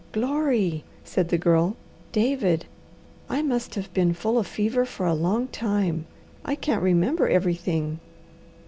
"Glory!" said the Girl. "David, I must have been full of fever for a long time. I can't remember everything."